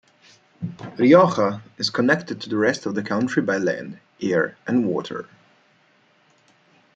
Rioja is connected to the rest of the country by land, air, and water.